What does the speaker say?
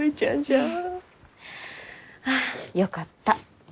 ああよかった。